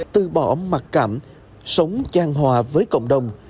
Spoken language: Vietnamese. từ bỏ mặc cảm sống giang hòa với cộng đồng